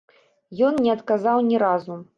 Ён не адказаў ні разу.